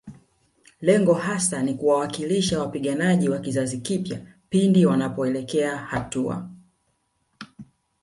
Lengo hasa ni kuwawakilisha wapiganaji wa kizazi kipya pindi wanapoelekea hatua